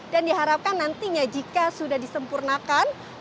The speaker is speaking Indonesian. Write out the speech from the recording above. dan diharapkan nantinya jika sudah disempurnakan bahkan ini bisa dilakukan